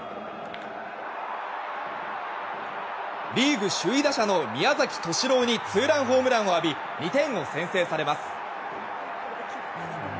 リーグ首位打者の宮崎敏郎にツーランホームランを浴び２点を先制されます。